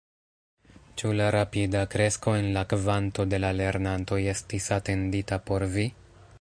Ĉu la rapida kresko en la kvanto de la lernantoj estis atendita por vi?